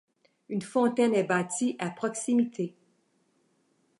Une fontaine est bâtie à proximité.